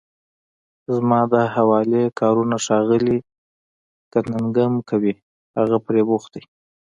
زما د حوالې کارونه ښاغلی کننګهم کوي، هغه پرې بوخت دی.